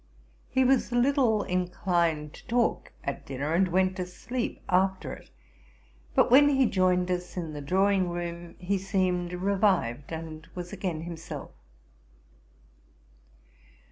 He was little inclined to talk at dinner, and went to sleep after it; but when he joined us in the drawing room, he seemed revived, and was again himself.